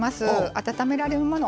温められるもの。